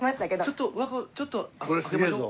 ちょっとちょっと開けましょう。